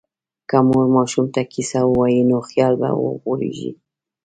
که مور ماشوم ته کیسه ووایي، نو خیال به وغوړېږي.